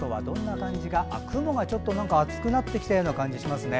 雲がちょっと厚くなってきたような感じがしますね。